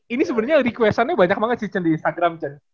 ini sebenarnya request annya banyak banget chen di instagram chen